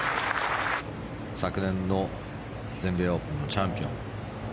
昨年の全米オープンのチャンピオン。